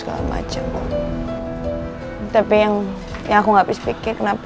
udah seneng kebelakang